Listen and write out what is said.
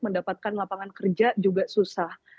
mendapatkan lapangan kerja juga susah